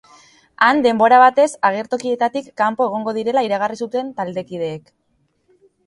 Han denbora batez agertokietatik kanpo egongo direla iragarri zuten taldekideek.